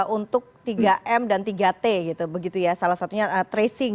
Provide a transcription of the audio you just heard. untuk tiga m dan tiga t salah satunya tracing